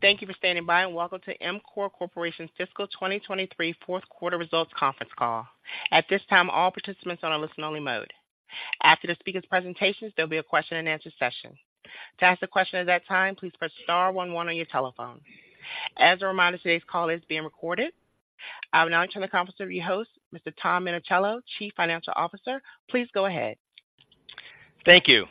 Thank you for standing by, and welcome to EMCORE Corporation's Fiscal 2023 Fourth Quarter Results Conference Call. At this time, all participants are on a listen-only mode. After the speaker's presentations, there'll be a question-and-answer session. To ask a question at that time, please press star one one on your telephone. As a reminder, today's call is being recorded. I will now turn the conference over to your host, Mr. Tom Minichiello, Chief Financial Officer. Please go ahead. Thank you,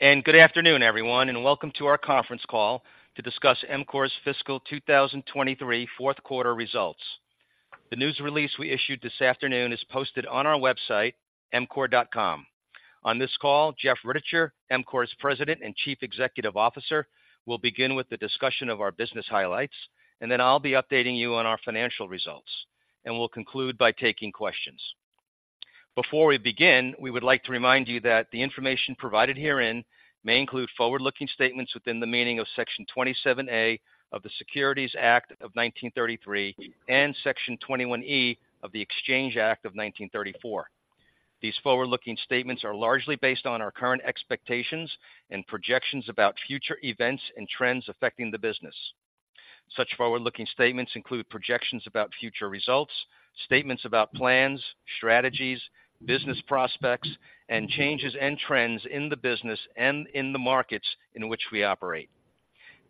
and good afternoon, everyone, and welcome to our conference call to discuss EMCORE's fiscal 2023 fourth quarter results. The news release we issued this afternoon is posted on our website, emcore.com. On this call, Jeff Rittichier, EMCORE's President and Chief Executive Officer, will begin with the discussion of our business highlights, and then I'll be updating you on our financial results, and we'll conclude by taking questions. Before we begin, we would like to remind you that the information provided herein may include forward-looking statements within the meaning of Section 27A of the Securities Act of 1933 and Section 21E of the Exchange Act of 1934. These forward-looking statements are largely based on our current expectations and projections about future events and trends affecting the business. Such forward-looking statements include projections about future results, statements about plans, strategies, business prospects, and changes and trends in the business and in the markets in which we operate.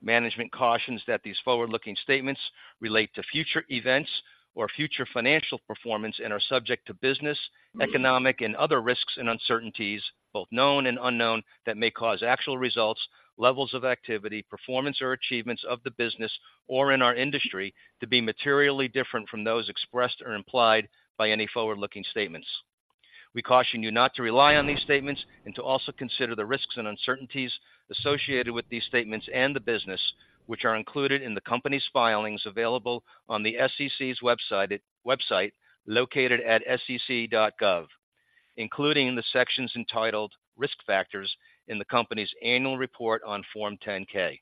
Management cautions that these forward-looking statements relate to future events or future financial performance and are subject to business, economic, and other risks and uncertainties, both known and unknown, that may cause actual results, levels of activity, performance, or achievements of the business or in our industry to be materially different from those expressed or implied by any forward-looking statements. We caution you not to rely on these statements and to also consider the risks and uncertainties associated with these statements and the business, which are included in the company's filings available on the SEC's website, website, located at sec.gov, including the sections entitled Risk Factors in the company's annual report on Form 10-K.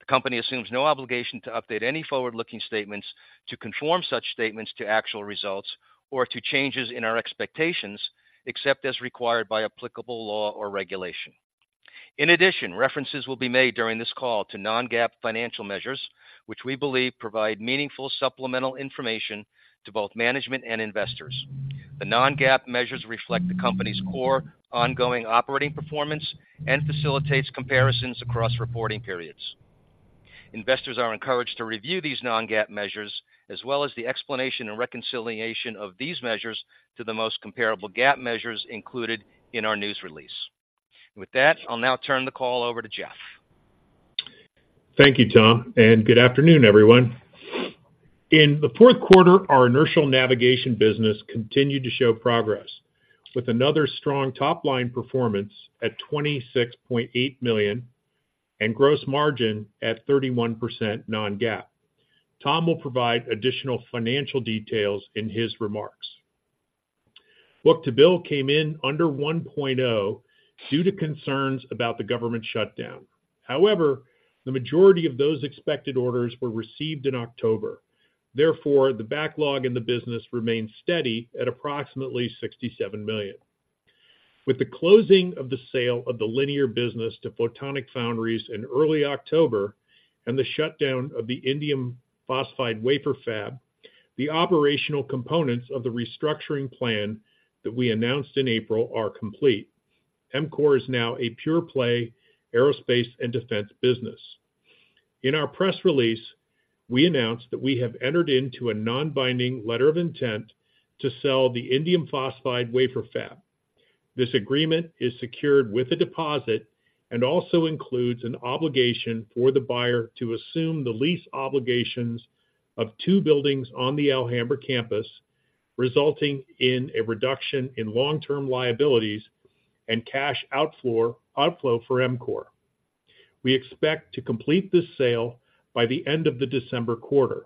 The company assumes no obligation to update any forward-looking statements to conform such statements to actual results or to changes in our expectations, except as required by applicable law or regulation. In addition, references will be made during this call to Non-GAAP financial measures, which we believe provide meaningful supplemental information to both management and investors. The Non-GAAP measures reflect the company's core ongoing operating performance and facilitates comparisons across reporting periods. Investors are encouraged to review these Non-GAAP measures, as well as the explanation and reconciliation of these measures to the most comparable GAAP measures included in our news release. With that, I'll now turn the call over to Jeff. Thank you, Tom, and good afternoon, everyone. In the fourth quarter, our inertial navigation business continued to show progress, with another strong top-line performance at $26.8 million and gross margin at 31% Non-GAAP. Tom will provide additional financial details in his remarks. Book-to-bill came in under 1.0 due to concerns about the government shutdown. However, the majority of those expected orders were received in October. Therefore, the backlog in the business remained steady at approximately $67 million. With the closing of the sale of the linear business to Photon Foundries in early October and the shutdown of the Indium Phosphide wafer fab, the operational components of the restructuring plan that we announced in April are complete. EMCORE is now a pure-play aerospace and defense business. In our press release, we announced that we have entered into a non-binding letter of intent to sell the Indium Phosphide wafer fab. This agreement is secured with a deposit and also includes an obligation for the buyer to assume the lease obligations of two buildings on the Alhambra campus, resulting in a reduction in long-term liabilities and cash outflow for EMCORE. We expect to complete this sale by the end of the December quarter.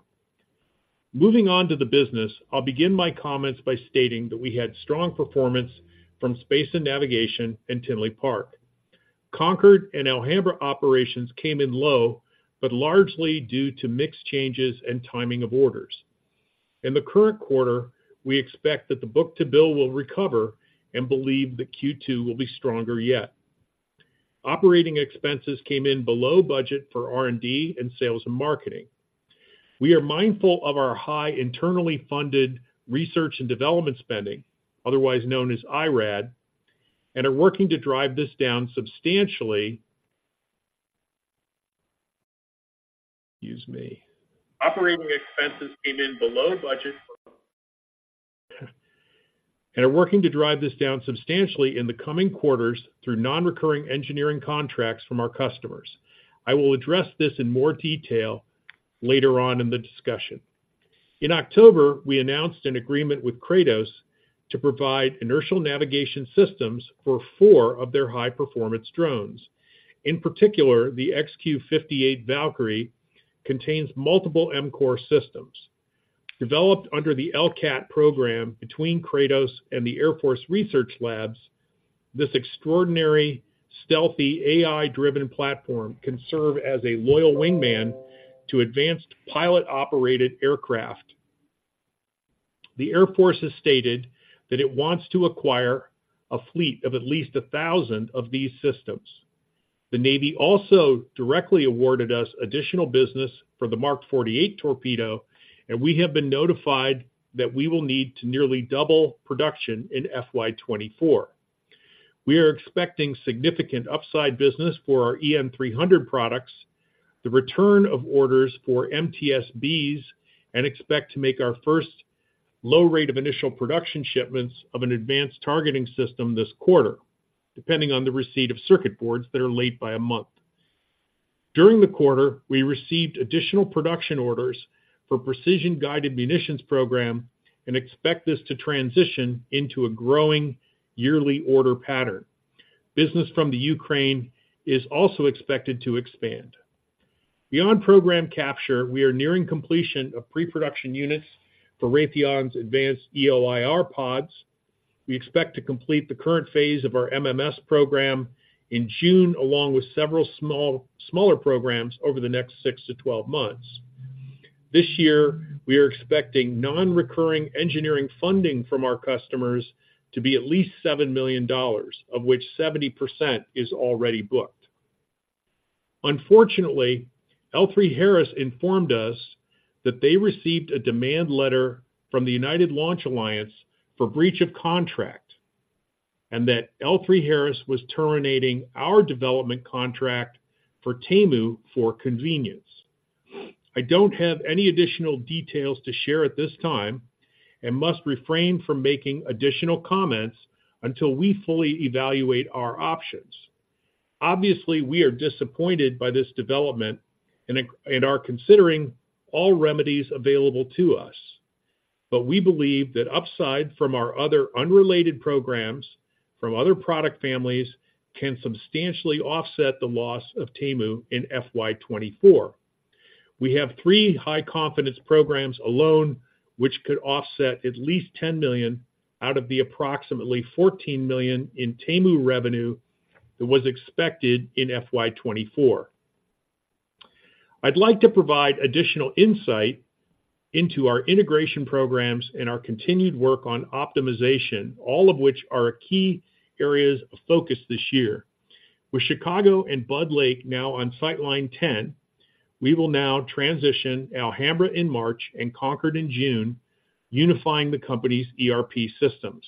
Moving on to the business, I'll begin my comments by stating that we had strong performance from Space and Navigation in Tinley Park. Concord and Alhambra operations came in low, but largely due to mix changes and timing of orders. In the current quarter, we expect that the book-to-bill will recover and believe that Q2 will be stronger yet. Operating expenses came in below budget for R&D and sales and marketing. We are mindful of our high internally funded research and development spending, otherwise known as IRAD, and are working to drive this down substantially. Excuse me. Operating expenses came in below budget, and are working to drive this down substantially in the coming quarters through non-recurring engineering contracts from our customers. I will address this in more detail later on in the discussion. In October, we announced an agreement with Kratos to provide inertial navigation systems for 4 of their high-performance drones. In particular, the XQ-58 Valkyrie contains multiple EMCORE systems. Developed under the LCAAT program between Kratos and the Air Force Research Laboratory, this extraordinary, stealthy, AI-driven platform can serve as a loyal wingman to advanced pilot-operated aircraft.... The Air Force has stated that it wants to acquire a fleet of at least 1,000 of these systems. The Navy also directly awarded us additional business for the Mark 48 torpedo, and we have been notified that we will need to nearly double production in FY 2024. We are expecting significant upside business for our EM-300 products, the return of orders for MTS-Bs, and expect to make our first low rate of initial production shipments of an advanced targeting system this quarter, depending on the receipt of circuit boards that are late by a month. During the quarter, we received additional production orders for Precision Guided Munitions program and expect this to transition into a growing yearly order pattern. Business from the Ukraine is also expected to expand. Beyond program capture, we are nearing completion of pre-production units for Raytheon's advanced EO/IR pods. We expect to complete the current phase of our MMS program in June, along with several smaller programs over the next 6-12-months. This year, we are expecting non-recurring engineering funding from our customers to be at least $7 million, of which 70% is already booked. Unfortunately, L3Harris informed us that they received a demand letter from the United Launch Alliance for breach of contract, and that L3Harris was terminating our development contract for TAIMU for convenience. I don't have any additional details to share at this time and must refrain from making additional comments until we fully evaluate our options. Obviously, we are disappointed by this development and are considering all remedies available to us. But we believe that upside from our other unrelated programs from other product families can substantially offset the loss of TAIMU in FY 2024. We have three high-confidence programs alone, which could offset at least $10 million out of the approximately $14 million in TAIMU revenue that was expected in FY 2024. I'd like to provide additional insight into our integration programs and our continued work on optimization, all of which are key areas of focus this year. With Chicago and Budd Lake now on SyteLine 10, we will now transition Alhambra in March and Concord in June, unifying the company's ERP systems.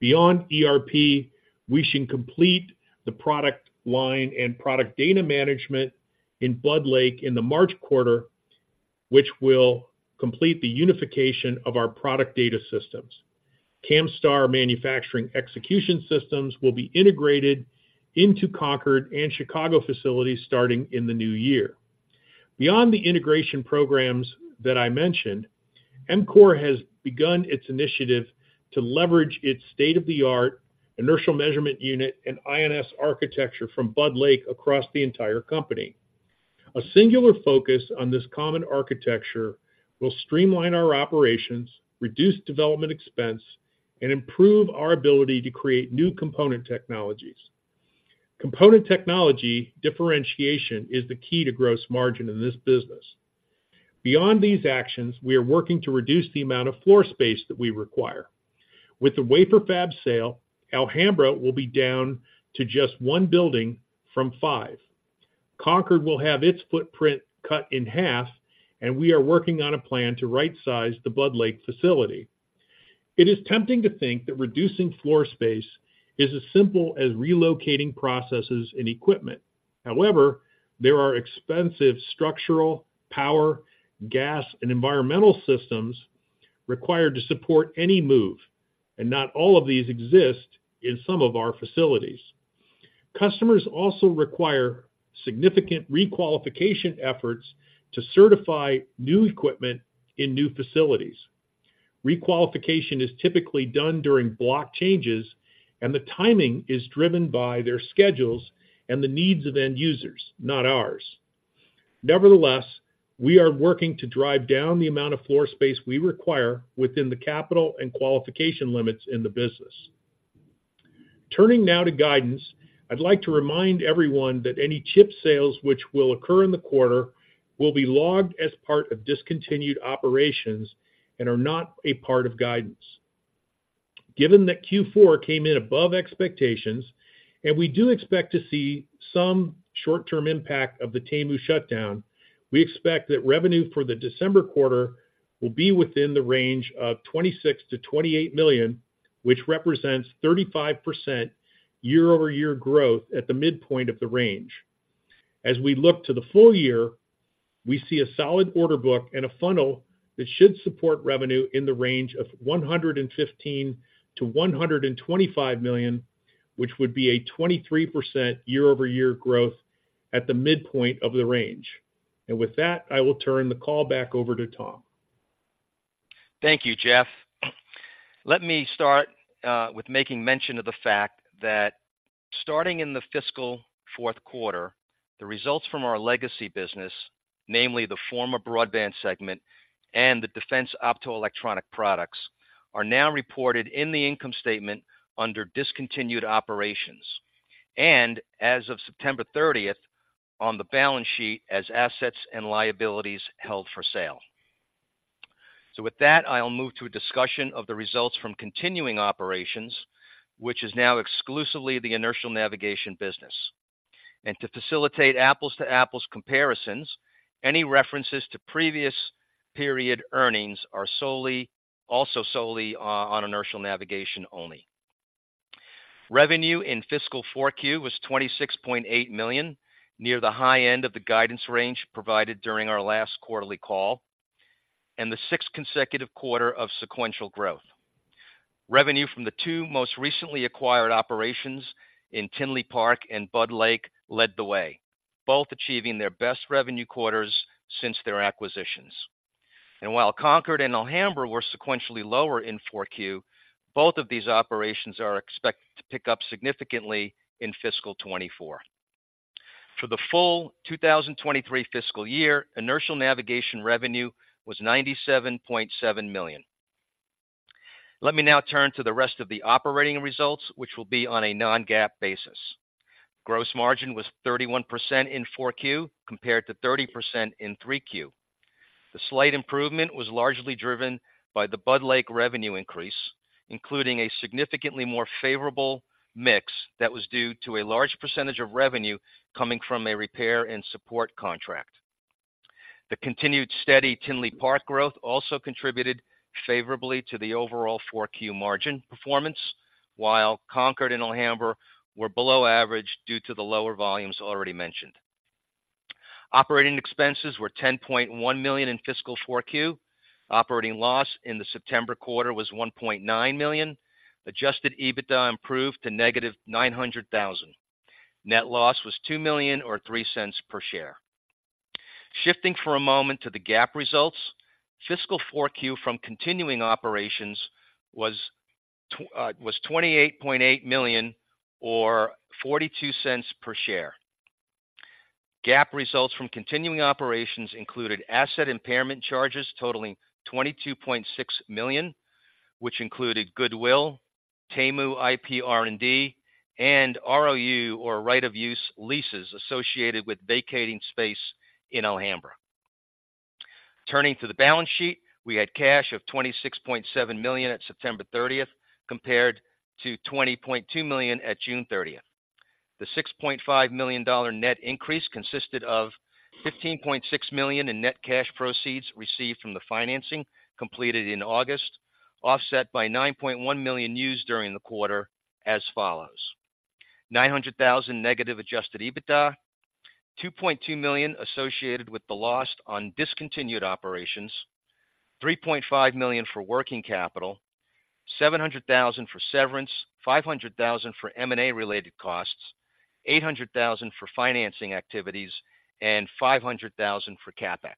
Beyond ERP, we should complete the product line and product data management in Budd Lake in the March quarter, which will complete the unification of our product data systems. Camstar manufacturing execution systems will be integrated into Concord and Chicago facilities starting in the new year. Beyond the integration programs that I mentioned, EMCORE has begun its initiative to leverage its state-of-the-art inertial measurement unit and INS architecture from Budd Lake across the entire company. A singular focus on this common architecture will streamline our operations, reduce development expense, and improve our ability to create new component technologies. Component technology differentiation is the key to gross margin in this business. Beyond these actions, we are working to reduce the amount of floor space that we require. With the wafer fab sale, Alhambra will be down to just one building from five. Concord will have its footprint cut in half, and we are working on a plan to right-size the Budd Lake facility. It is tempting to think that reducing floor space is as simple as relocating processes and equipment. However, there are expensive structural, power, gas, and environmental systems required to support any move, and not all of these exist in some of our facilities. Customers also require significant requalification efforts to certify new equipment in new facilities. Requalification is typically done during block changes, and the timing is driven by their schedules and the needs of end users, not ours. Nevertheless, we are working to drive down the amount of floor space we require within the capital and qualification limits in the business. Turning now to guidance, I'd like to remind everyone that any chip sales which will occur in the quarter, will be logged as part of discontinued operations and are not a part of guidance. Given that Q4 came in above expectations, and we do expect to see some short-term impact of the TAIMU shutdown, we expect that revenue for the December quarter will be within the range of $26 million-$28 million, which represents 35% year-over-year growth at the midpoint of the range. As we look to the full year, we see a solid order book and a funnel that should support revenue in the range of $115 million-$125 million, which would be a 23% year-over-year growth at the midpoint of the range. And with that, I will turn the call back over to Tom. Thank you, Jeff. Let me start with making mention of the fact that starting in the fiscal fourth quarter, the results from our legacy business, namely the former broadband segment and the defense optoelectronic products, are now reported in the income statement under discontinued operations, and as of September thirtieth, on the balance sheet as assets and liabilities held for sale. So with that, I'll move to a discussion of the results from continuing operations, which is now exclusively the inertial navigation business. To facilitate apples to apples comparisons, any references to previous period earnings are solely, also solely on inertial navigation only. Revenue in fiscal 4Q was $26.8 million, near the high end of the guidance range provided during our last quarterly call, and the sixth consecutive quarter of sequential growth. Revenue from the two most recently acquired operations in Tinley Park and Budd Lake led the way, both achieving their best revenue quarters since their acquisitions. While Concord and Alhambra were sequentially lower in 4Q, both of these operations are expected to pick up significantly in fiscal 2024. For the full 2023 fiscal year, inertial navigation revenue was $97.7 million. Let me now turn to the rest of the operating results, which will be on a Non-GAAP basis. Gross margin was 31% in 4Q, compared to 30% in 3Q. The slight improvement was largely driven by the Budd Lake revenue increase, including a significantly more favorable mix that was due to a large percentage of revenue coming from a repair and support contract. The continued steady Tinley Park growth also contributed favorably to the overall four Q margin performance, while Concord and Alhambra were below average due to the lower volumes already mentioned. Operating expenses were $10.1 million in fiscal four Q. Operating loss in the September quarter was $1.9 million. Adjusted EBITDA improved to -$900,000. Net loss was $2 million or $0.03 per share. Shifting for a moment to the GAAP results, fiscal four Q from continuing operations was $28.8 million or $0.42 per share. GAAP results from continuing operations included asset impairment charges totaling $22.6 million, which included goodwill, TAIMU IP R&D, and ROU, or right of use leases associated with vacating space in Alhambra. Turning to the balance sheet, we had cash of $26.7 million at September 30, compared to $20.2 million at June 30. The $6.5 million net increase consisted of $15.6 million in net cash proceeds received from the financing completed in August, offset by $9.1 million used during the quarter as follows: $900,000 negative adjusted EBITDA, $2.2 million associated with the loss on discontinued operations, $3.5 million for working capital, $700,000 for severance, $500,000 for M&A related costs, $800,000 for financing activities, and $500,000 for CapEx.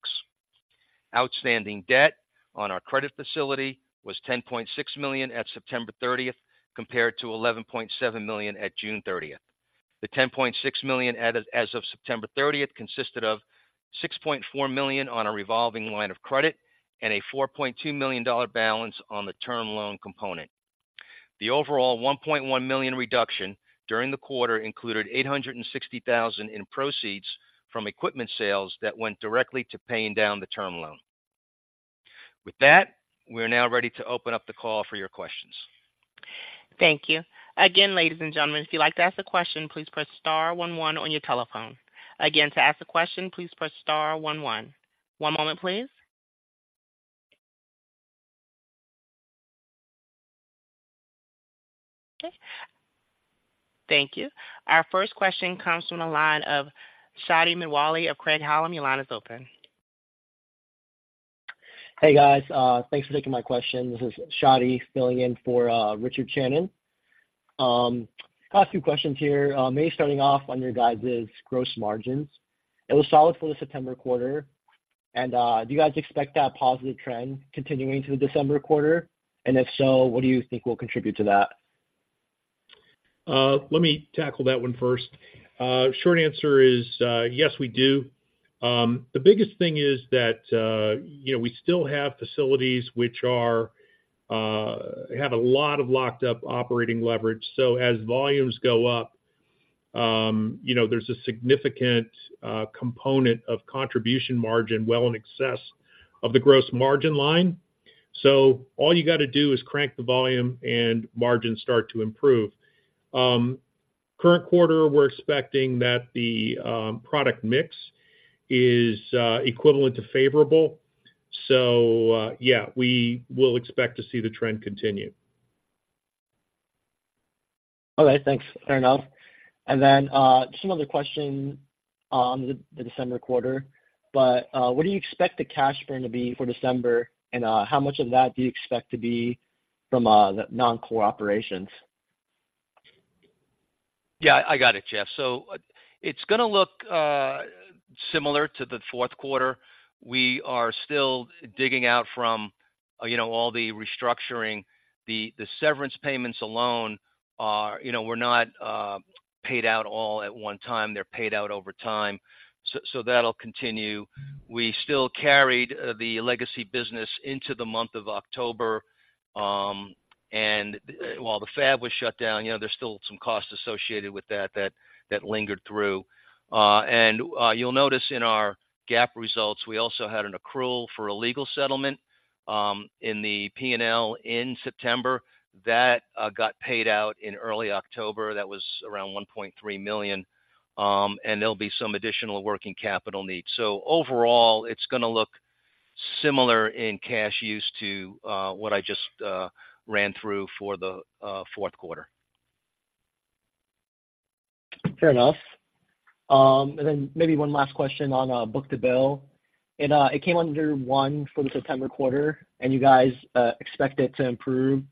Outstanding debt on our credit facility was $10.6 million at September 30, compared to $11.7 million at June 30. The $10.6 million added as of September thirtieth consisted of $6.4 million on a revolving line of credit and a $4.2 million dollar balance on the term loan component. The overall $1.1 million reduction during the quarter included $860,000 in proceeds from equipment sales that went directly to paying down the term loan. With that, we're now ready to open up the call for your questions. Thank you. Again, ladies and gentlemen, if you'd like to ask a question, please press star one one on your telephone. Again, to ask a question, please press star one one. One moment, please. Okay, thank you. Our first question comes from the line of Shadi Mitwalli of Craig-Hallum. Your line is open. Hey, guys, thanks for taking my question. This is Shadi filling in for, Richard Shannon. Got a few questions here. Maybe starting off on your guys' gross margins. It was solid for the September quarter, and, do you guys expect that positive trend continuing to the December quarter? And if so, what do you think will contribute to that? Let me tackle that one first. Short answer is, yes, we do. The biggest thing is that, you know, we still have facilities which are, have a lot of locked up operating leverage. So as volumes go up, you know, there's a significant, component of contribution margin well in excess of the gross margin line. So all you got to do is crank the volume and margins start to improve. Current quarter, we're expecting that the, product mix is, equivalent to favorable. So, yeah, we will expect to see the trend continue. Okay, thanks. Fair enough. And then, just another question on the December quarter, but, what do you expect the cash burn to be for December? And, how much of that do you expect to be from, the non-core operations? Yeah, I got it, Jeff. So it's gonna look similar to the fourth quarter. We are still digging out from, you know, all the restructuring. The severance payments alone are, you know, were not paid out all at one time. They're paid out over time. So that'll continue. We still carried the legacy business into the month of October. And while the fab was shut down, you know, there's still some costs associated with that that lingered through. And you'll notice in our GAAP results, we also had an accrual for a legal settlement in the P&L in September. That got paid out in early October. That was around $1.3 million. And there'll be some additional working capital needs. So overall, it's gonna look similar in cash use to what I just ran through for the fourth quarter. Fair enough. And then maybe one last question on book-to-bill. It, it came under one for the September quarter, and you guys expect it to improve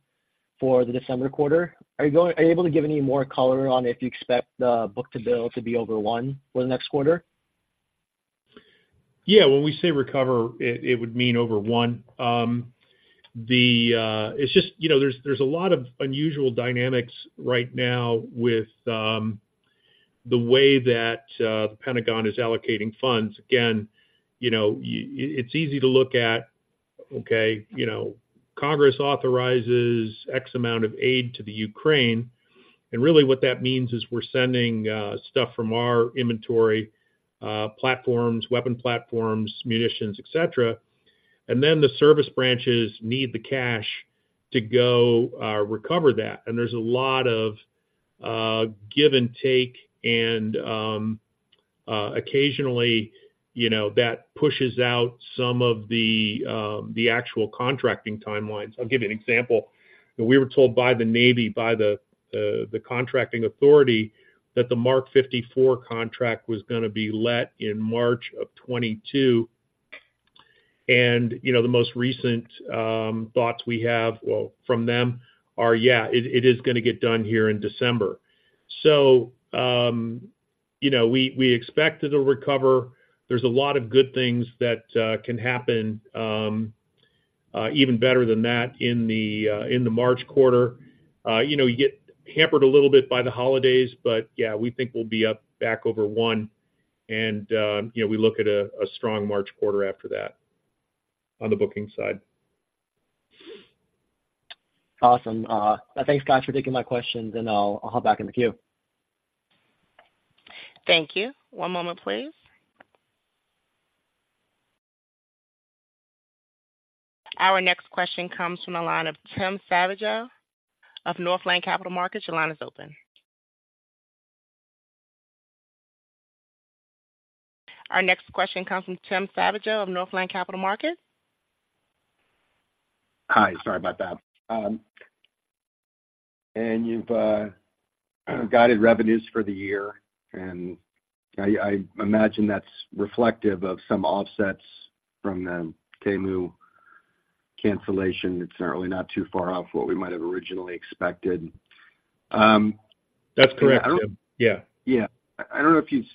for the December quarter. Are you able to give any more color on if you expect the book-to-bill to be over one for the next quarter? Yeah, when we say recover, it would mean over one. It's just, you know, there's a lot of unusual dynamics right now with the way that the Pentagon is allocating funds. Again, you know, it's easy to look at, okay, you know, Congress authorizes X amount of aid to the Ukraine, and really what that means is we're sending stuff from our inventory, platforms, weapon platforms, munitions, et cetera. And then the service branches need the cash to go recover that. And there's a lot of give and take, and occasionally, you know, that pushes out some of the actual contracting timelines. I'll give you an example. We were told by the Navy, by the contracting authority, that the Mark 54 contract was gonna be let in March of 2022. You know, the most recent thoughts we have, well, from them are, yeah, it is gonna get done here in December. So, you know, we expect it to recover. There's a lot of good things that can happen, even better than that in the March quarter. You know, you get hampered a little bit by the holidays, but, yeah, we think we'll be up back over one and, you know, we look at a strong March quarter after that on the booking side. Awesome. Thanks, guys, for taking my questions, and I'll hop back in the queue. Thank you. One moment, please. Our next question comes from the line of Tim Savageaux of Northland Capital Markets. Your line is open. Our next question comes from Tim Savageaux of Northland Capital Markets. Hi, sorry about that. And you've guided revenues for the year, and I imagine that's reflective of some offsets from the TAIMU cancellation. It's certainly not too far off what we might have originally expected. That's correct, yeah. Yeah. I don't know if you've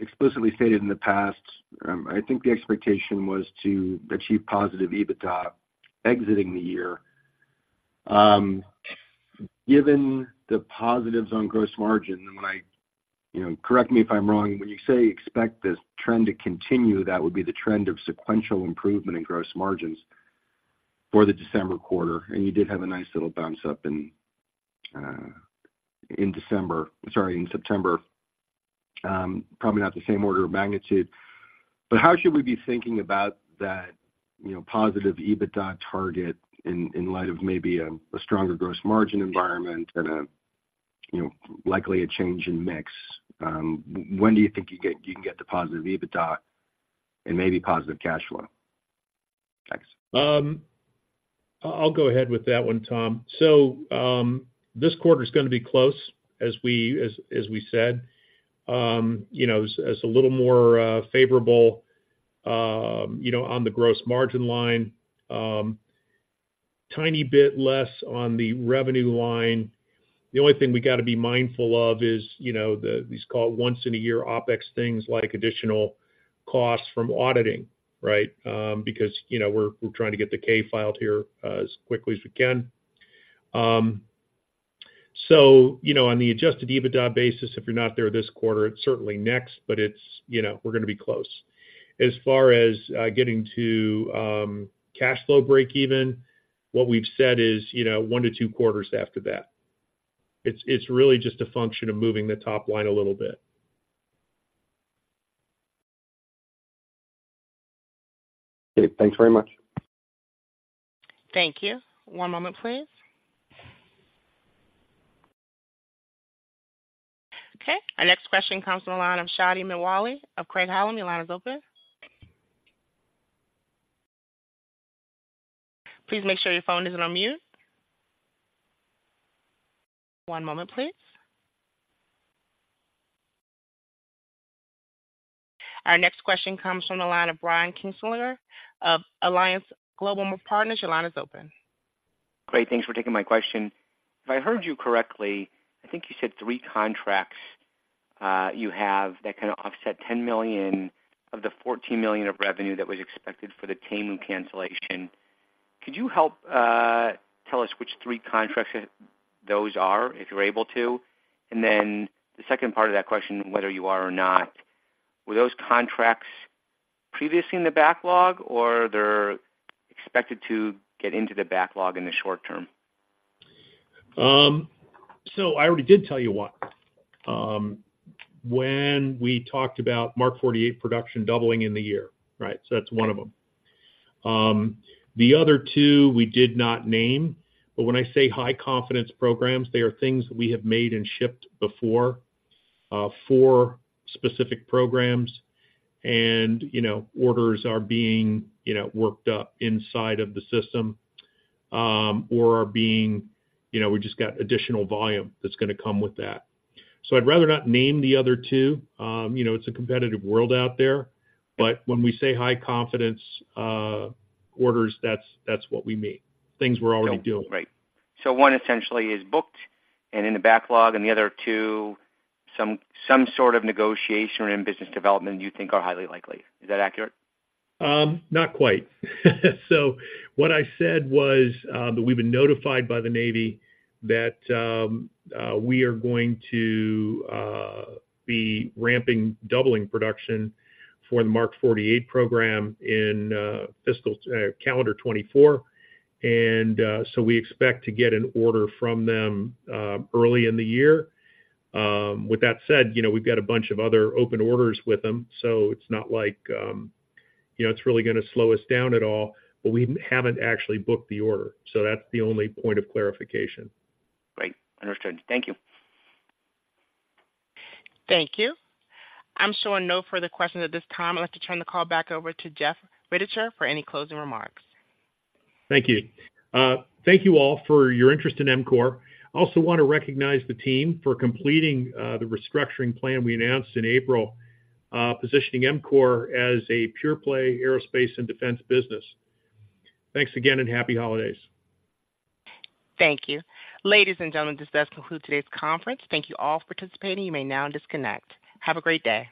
explicitly stated in the past. I think the expectation was to achieve positive EBITDA exiting the year. Given the positives on gross margin, and when I... You know, correct me if I'm wrong, when you say you expect this trend to continue, that would be the trend of sequential improvement in gross margins for the December quarter, and you did have a nice little bounce up in December, sorry, in September. Probably not the same order of magnitude, but how should we be thinking about that, you know, positive EBITDA target in light of maybe a stronger gross margin environment and a, you know, likely a change in mix? When do you think you can get to positive EBITDA and maybe positive cash flow? Thanks. I'll go ahead with that one, Tom. So, this quarter is gonna be close, as we said. You know, as a little more favorable, you know, on the gross margin line, tiny bit less on the revenue line. The only thing we got to be mindful of is, you know, the, these called once-in-a-year OpEx, things like additional costs from auditing, right? Because, you know, we're trying to get the K filed here, as quickly as we can. So, you know, on the Adjusted EBITDA basis, if you're not there this quarter, it's certainly next, but it's, you know, we're gonna be close. As far as getting to cash flow break even, what we've said is, you know, one to two quarters after that. It's really just a function of moving the top line a little bit. Okay, thanks very much. Thank you. One moment, please. Okay, our next question comes from the line of Shadi Mitwalli of Craig-Hallum. Your line is open. Please make sure your phone isn't on mute. One moment, please. Our next question comes from the line of Brian Kinstlinger of Alliance Global Partners. Your line is open. Great. Thanks for taking my question. If I heard you correctly, I think you said three contracts-... you have that can offset $10 million of the $14 million of revenue that was expected for the TAIMU cancellation. Could you help tell us which three contracts those are, if you're able to? And then the second part of that question, whether you are or not, were those contracts previously in the backlog, or they're expected to get into the backlog in the short term? So I already did tell you one. When we talked about Mark 48 production doubling in the year, right? So that's one of them. The other two, we did not name, but when I say high confidence programs, they are things that we have made and shipped before, for specific programs, and, you know, orders are being, you know, worked up inside of the system, or are being, you know, we just got additional volume that's gonna come with that. So I'd rather not name the other two. You know, it's a competitive world out there, but when we say high confidence, orders, that's, that's what we mean. Things we're already doing. Right. So one essentially is booked and in the backlog, and the other two, some sort of negotiation or in business development, you think are highly likely. Is that accurate? Not quite. So what I said was that we've been notified by the Navy that we are going to be ramping, doubling production for the Mark 48 program in fiscal calendar 2024. So we expect to get an order from them early in the year. With that said, you know, we've got a bunch of other open orders with them, so it's not like, you know, it's really gonna slow us down at all, but we haven't actually booked the order. So that's the only point of clarification. Great. Understood. Thank you. Thank you. I'm showing no further questions at this time. I'd like to turn the call back over to Jeff Rittichier for any closing remarks. Thank you. Thank you all for your interest in EMCORE. I also want to recognize the team for completing the restructuring plan we announced in April, positioning EMCORE as a pure play, aerospace and defense business. Thanks again, and happy holidays. Thank you. Ladies and gentlemen, this does conclude today's conference. Thank you all for participating. You may now disconnect. Have a great day.